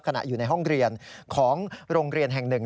อยู่ในห้องเรียนของโรงเรียนแห่งหนึ่ง